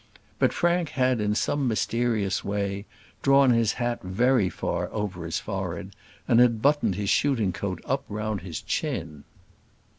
But Frank had in some mysterious way drawn his hat very far over his forehead, and had buttoned his shooting coat up round his chin.